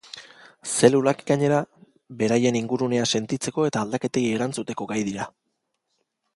Zelulak, gainera, beraien ingurunea sentitzeko eta aldaketei erantzuteko gai dira.